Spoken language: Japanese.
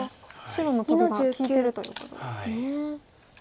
白のトビが利いてるということですね。